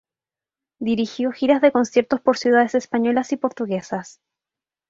Dirigió giras de conciertos por ciudades españolas y portuguesas.